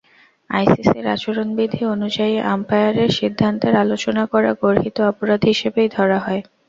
আইসিসির আচরণবিধি অনুযায়ী আম্পায়ারের সিদ্ধান্তের সমালোচনা করা গর্হিত অপরাধ হিসেবেই ধরা হয়।